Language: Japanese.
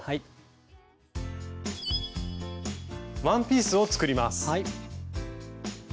ワンピースを作ります。